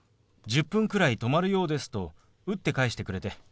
１０分くらい止まるようです」と打って返してくれて。